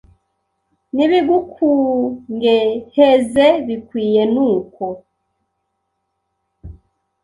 nibigukungeheze bikwiye nuko